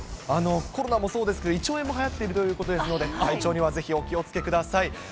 コロナもそうですけど、胃腸炎もはやっているということですので、体調にはぜひお気をつけください。